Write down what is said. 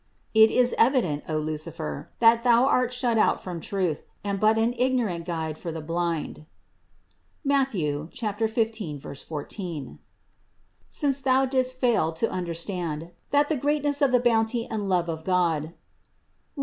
It is evident, O Lucifer, that thou art shut out from truth and but an ignorant guide for the blind (Matth. 15, 14) ; since thou didst fail to un derstand, that the greatness of the bounty and love of God (Rom.